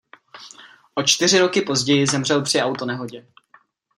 O čtyři roky později zemřel při autonehodě.